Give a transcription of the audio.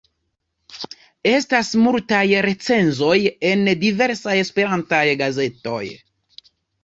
Estas multaj recenzoj en diversaj Esperantaj gazetoj.